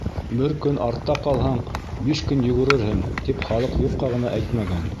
Бер көн артта ҡалһаң, биш көн йүгерерһең, тип халыҡ юҡҡа ғына әйтмәгән.